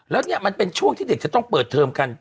แล้วเนี่ยมันเป็นช่วงที่เด็กจะต้องเปิดเทอมกัน